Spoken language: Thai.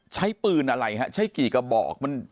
ใช้ปืนอะไรฮะใช้กี่กระบอก